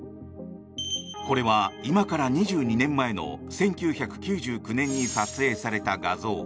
これは今から２２年前の１９９９年に撮影された画像。